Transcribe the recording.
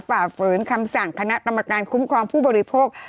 ฝ่าฝืนคำสั่งคณะกรรมการคุ้มครองผู้บริโภค